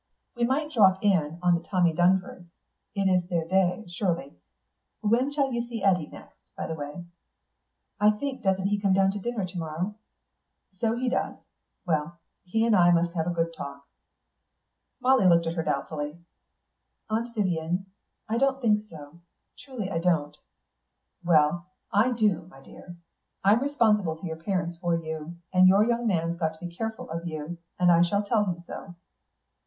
We might drop in on the Tommy Durnfords; it's their day, surely.... When shall you see Eddy next, by the way?" "I think doesn't he come to dinner to morrow?" "So he does. Well, he and I must have a good talk." Molly looked at her doubtfully. "Aunt Vyvian, I don't think so. Truly I don't." "Well, I do, my dear. I'm responsible to your parents for you, and your young man's got to be careful of you, and I shall tell him so."